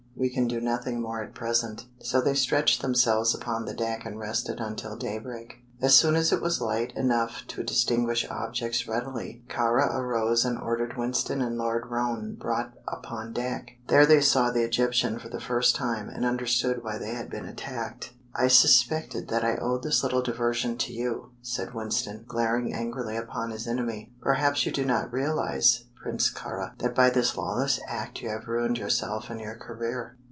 We can do nothing more at present." So they stretched themselves upon the deck and rested until daybreak. As soon as it was light enough to distinguish objects readily, Kāra arose and ordered Winston and Lord Roane brought upon deck. There they saw the Egyptian for the first time and understood why they had been attacked. "I suspected that I owed this little diversion to you," said Winston, glaring angrily upon his enemy. "Perhaps you do not realize, Prince Kāra, that by this lawless act you have ruined yourself and your career."